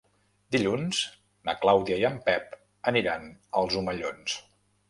Dilluns na Clàudia i en Pep aniran als Omellons.